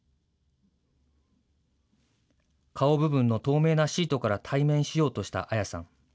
顔部分の透明なシートから対面しようとした綾さん。